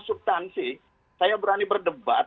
subtansi saya berani berdebat